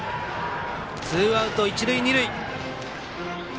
ツーアウト、一塁二塁。